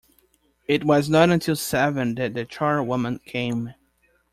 It was not until seven that the charwoman came.